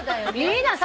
いいな魚。